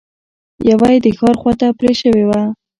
يوه يې د ښار خواته پرې شوې وه.